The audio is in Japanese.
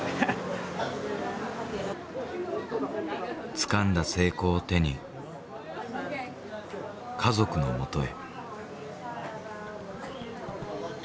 つかんだ成功を手に家族のもとへ。